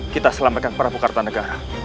kita selamatkan prabu kartanegara